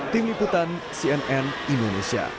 tim liputan cnn indonesia